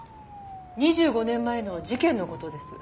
２５年前の事件のことです